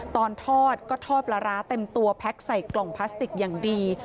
ตอนทอดก็ทอดปลาร้าเต็มตัวแพ็คใส่กล่องพลาสติกอย่างดี